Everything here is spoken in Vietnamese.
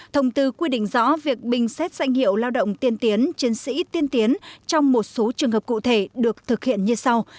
thông tư quy định rõ việc bình xét danh hiệu lao động tiên tiến chiến sĩ tiên tiến trong một số trường hợp cụ thể được thực hiện như sau